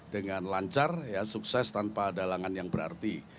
dengan lancar sukses tanpa dalangan yang berarti